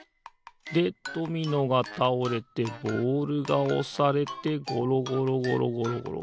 でドミノがたおれてボールがおされてごろごろごろごろ。